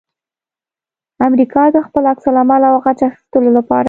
امریکا د خپل عکس العمل او غچ اخستلو لپاره